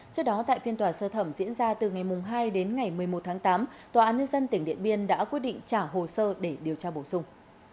trước đó tại phiên tòa sơ thẩm diễn ra từ ngày hai đến ngày một mươi một tháng tám tòa án nhân dân tỉnh điện biên đã quyết định trả hồ sơ để điều tra bổ sung